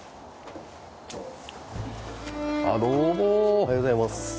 おはようございます。